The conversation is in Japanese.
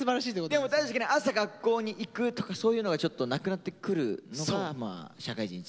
でも確かに朝学校に行くとかそういうのがちょっとなくなってくるのがまあ社会人１年生。